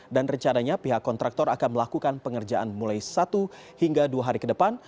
dan rencananya pihak kontraktor akan melakukan pengerjaan mulai satu hingga dua hari ke depan